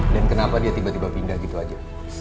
dan kenapa dia tiba tiba pindah gitu aja